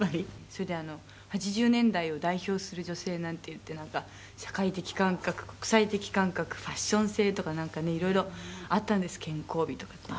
「それで８０年代を代表する女性なんていって社会的感覚国際的感覚ファッション性とかなんかね色々あったんです健康美とかって」